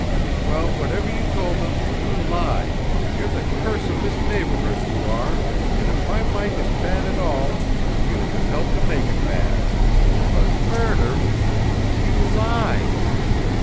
Well, whatever you told them, you lie! You're the curse of this neighbourhood, you are, and if my Mike is bad at all, it's you that's helped to make him bad. But murder you LIE!"